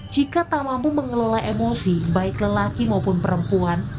jika tak mampu mengelola emosi baik lelaki maupun perempuan